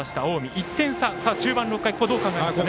１点差、中盤６回どう考えますかね。